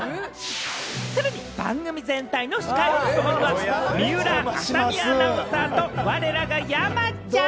さらに番組全体の司会を務めるのは水卜麻美アナウンサーと、われらが山ちゃん！